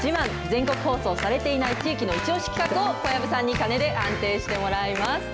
全国放送されていない地域のイチ押し企画を、小籔さんに鐘で判定してもらいます。